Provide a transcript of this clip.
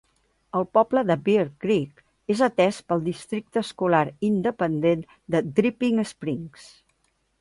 El poble de Bear Creek és atès pel Districte Escolar Independent de Dripping Springs.